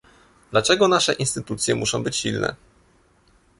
Dlaczego nasze instytucje muszą być silne